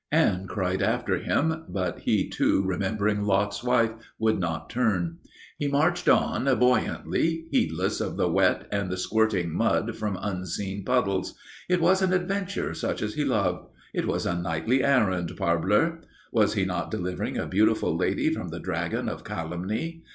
Anne cried after him, but he too remembering Lot's wife would not turn. He marched on buoyantly, heedless of the wet and the squirting mud from unseen puddles. It was an adventure such as he loved. It was a knightly errand, parbleu! Was he not delivering a beautiful lady from the dragon of calumny?